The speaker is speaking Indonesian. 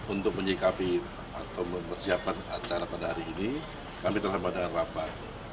untuk menyikapi atau mempersiapkan acara pada hari ini kami telah mengadakan rapat